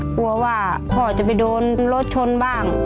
กลัวว่าพ่อจะไปโดนรถชนบ้าง